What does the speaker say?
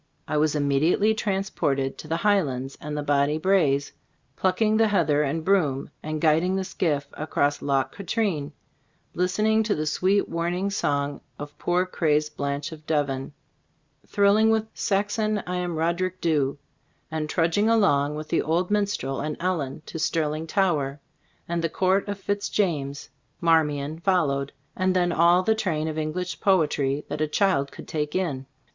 I was immediately trans ported to the Highlands and the Bonny Braes, plucking the heather and broom and guiding the skiff across Loch Katrine, listening to the sweet warning song of poor crazed Blanche of Devon, thrilling with, go Cbc StorB of As Cbllfcbood "Saxon, I am Roderick Dhu," and trudging along with the old minstrel and Ellen to Sterling tower and the Court of Fitz James. "Marmion" fol lowed, and then all the train of Eng lish poetry that a child could take in.